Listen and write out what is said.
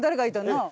なあ。